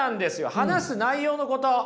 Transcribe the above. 話す内容のこと。